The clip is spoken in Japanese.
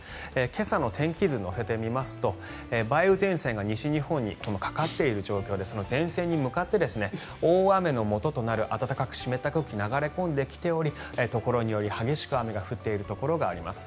今朝の天気図を乗せてみますと梅雨前線が西日本にかかっている状況でその前線に向かって大雨のもととなる暖かく湿った空気が流れ込んできておりところにより激しく雨が降っているところがあります。